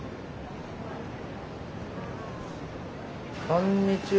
こんにちは。